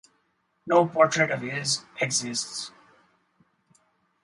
No portrait of his exists.